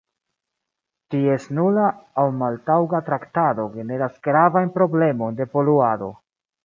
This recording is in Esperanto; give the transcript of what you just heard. Ties nula aŭ maltaŭga traktado generas gravajn problemojn de poluado.